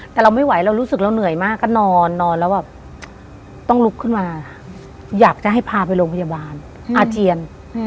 แต่เราไม่ไหวเรารู้สึกเราเหนื่อยมากก็นอนนอนแล้วแบบต้องลุกขึ้นมาอยากจะให้พาไปโรงพยาบาลอาเจียน